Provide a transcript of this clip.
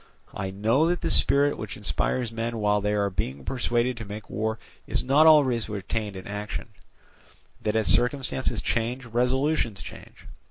I know that the spirit which inspires men while they are being persuaded to make war is not always retained in action; that as circumstances change, resolutions change.